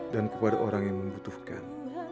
dan kepada orang yang membutuhkan